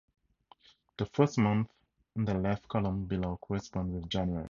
The first month in the left column below corresponds with January.